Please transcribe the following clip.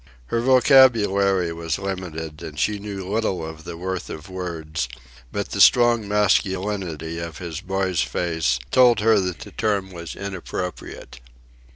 Her vocabulary was limited, and she knew little of the worth of words; but the strong masculinity of his boy's face told her that the term was inappropriate.